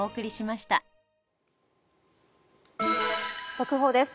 速報です。